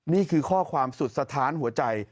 นี่คือข้อความสุดสะท้านหัวใจ